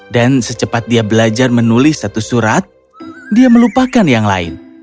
dan secepat dia belajar menulis satu surat dia melupakan yang lain